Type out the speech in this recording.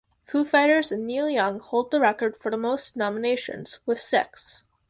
Foo Fighters and Neil Young hold the record for the most nominations, with six.